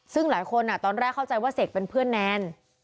ซึ่งหลายคนตอนแรกเข้าใจว่าเสกเป็นเพื่อนแนน